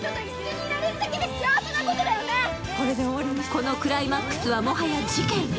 このクライマックスはもはや事件。